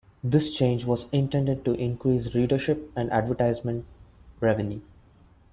This change was intended to increase readership and advertisement revenue.